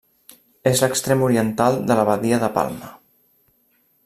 És l'extrem oriental de la badia de Palma.